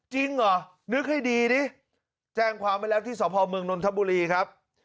จริงเหรอนึกให้ดีดิแจ้งความไว้แล้วที่สพเมืองนนทบุรีครับ